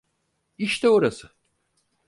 İşte orası.